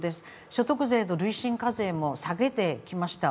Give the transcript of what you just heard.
所得税と累進課税も下げてきました。